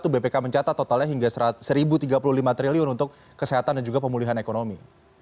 dua ribu dua puluh satu bpk mencatat totalnya hingga seribu tiga puluh lima triliun untuk kesehatan dan juga pemulihan ekonomi